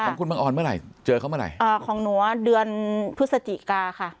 ของคุณบังออนเมื่อไหร่เจอเขาเมื่อไหร่อ่าของหนูอ่ะเดือนพฤศจิกาค่ะ